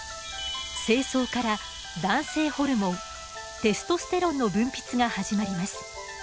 精巣から男性ホルモンテストステロンの分泌が始まります。